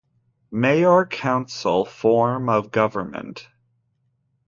Mayor - Council form of government.